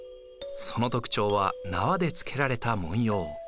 その特徴は縄でつけられた文様。